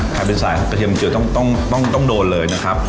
ใครเป็นสายกระเทียมเจียวต้องโดนเลยนะครับ